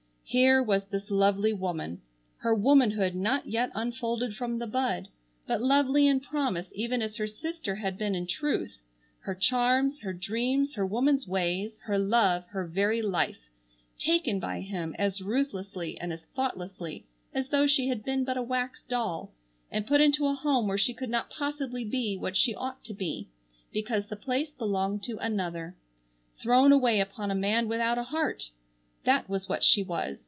Here was this lovely woman, her womanhood not yet unfolded from the bud, but lovely in promise even as her sister had been in truth, her charms, her dreams, her woman's ways, her love, her very life, taken by him as ruthlessly and as thoughtlessly as though she had been but a wax doll, and put into a home where she could not possibly be what she ought to be, because the place belonged to another. Thrown away upon a man without a heart! That was what she was!